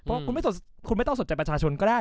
เพราะว่าคุณไม่ต้องสนใจประชาชนก็ได้